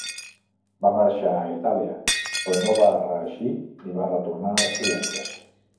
Va marxar a Itàlia, però no va reeixir i va retornar a Estudiantes.